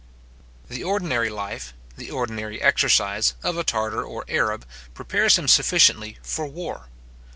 The ordinary life, the ordinary exercise of a Tartar or Arab, prepares him sufficiently for war.